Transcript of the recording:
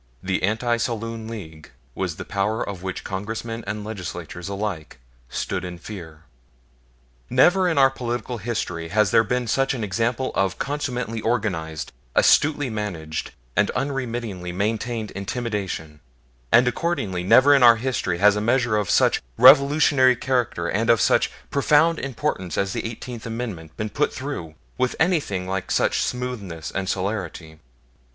The Anti Saloon League was the power of which Congressmen and Legislaturemen alike stood in fear. Never in our political history has there been such an example of consummately organized, astutely managed, and unremittingly maintained intimidation; and accordingly never in our history has a measure of such revolutionary character and of such profound importance as the Eighteenth Amendment been put through with anything like such smoothness and celerity.